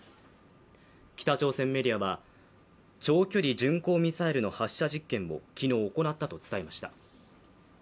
北朝鮮メディアは、長距離巡航ミサイルの発射実験を昨日行ったと伝えました。